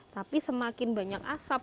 tapi semakin banyak asap